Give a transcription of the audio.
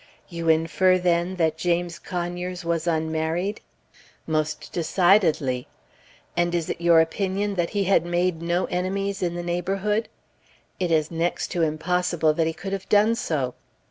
"You infer, then, that James Conyers was unmarried?" "Most decidedly." "And it is your opinion that he had made no enemies in the neighborhood?" "It is next to impossible that he could have done so."